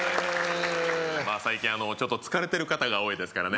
最近ちょっと疲れてる方が多いですからね